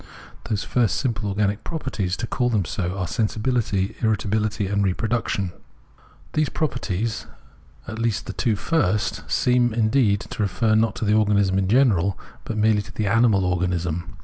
Those first simple organic properties, to call them so, are Sensibihty, Irritability, and Reproduction. These pro perties, at least the two first, seem indeed to refer not to the organism in general, but merely to the animal organism.